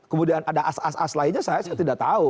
kemudian ada as as as lainnya saya tidak tahu